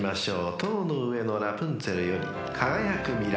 ［『塔の上のラプンツェル』より『輝く未来』］